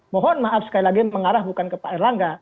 mohon maaf sekali lagi mengarah bukan ke pak erlangga